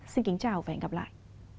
xin kính chào và hẹn gặp lại